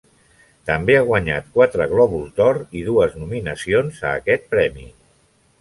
També ha guanyat quatre Globus d'Or i dues nominacions a aquest premi.